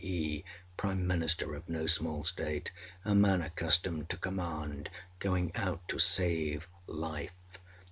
E., Prime Minister of no small State, a man accustomed to command, going out to save life.